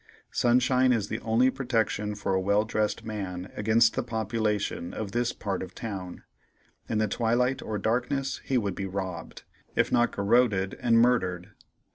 Sunshine is the only protection for a well dressed man against the population of this part of the town. In the twilight or darkness he would be robbed, if not garroted and murdered.